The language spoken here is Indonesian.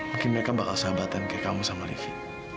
mungkin mereka bakal sahabatan kayak kamu sama livi